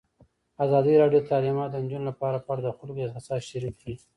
ازادي راډیو د تعلیمات د نجونو لپاره په اړه د خلکو احساسات شریک کړي.